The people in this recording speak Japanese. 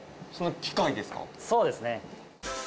そうですね。